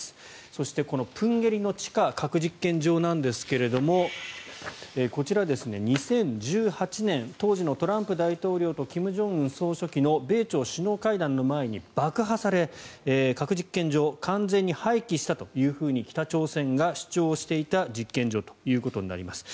そして、このプンゲリの地下核実験場なんですがこちら、２０１８年当時のトランプ大統領と金正恩総書記の米朝首脳会談の前に爆破され核実験場、完全に廃棄したと北朝鮮が主張していた実験場ということになります。